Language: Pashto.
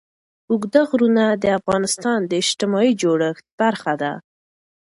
اوږده غرونه د افغانستان د اجتماعي جوړښت برخه ده.